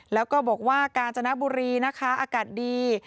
แล้วก็บอกว่ากาญจนบุรีนะคะอากาศดี